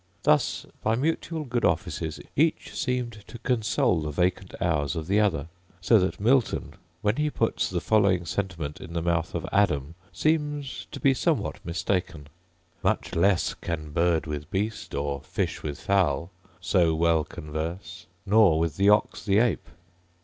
Thus, by mutual good offices, each seemed to console the vacant hours of the other: so that Milton, when he puts the following sentiment in the mouth of Adam, seems to be somewhat mistaken: Much less can bird with beast, or fish with fowl, So well converse, nor with the ox the ape.